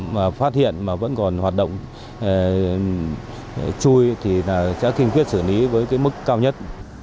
mà phát hiện mà vẫn còn hoạt động chui thì sẽ kinh quyết xử lý với mức cao nhất